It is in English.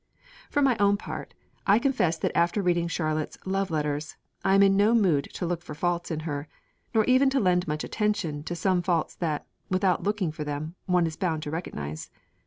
For my own part, I confess that after reading Charlotte's Love letters, I am in no mood to look for faults in her, nor even to lend much attention to some faults that, without looking for them, one is bound to recognise.